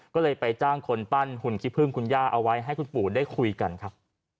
ก็เลยไปจ้างคนปั้นหุ่นขี้พึ่งคุณย่าเอาไว้ให้คุณปู่ได้คุยกันครับ